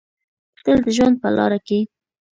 تل د ژوند په لاره کې